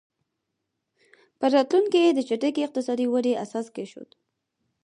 په راتلونکي کې یې د چټکې اقتصادي ودې اساس کېښود.